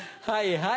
はい。